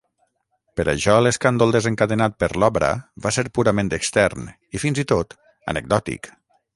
Per això, l'escàndol desencadenat per l'obra va ser purament extern i, fins i tot, anecdòtic.